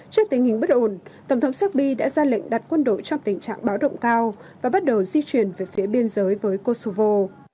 trước tình hình bất ổn tổng thống serbi đã ra lệnh đặt quân đội trong tình trạng báo động cao và bắt đầu di chuyển về phía biên giới với kosovo